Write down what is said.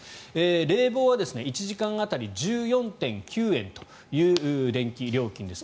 冷房は１時間当たり１４．９円という電気料金です。